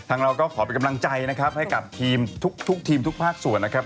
ต่างเราก็ขอไปกำลังใจนะครับให้กับทีมทุกภาคส่วนนะครับ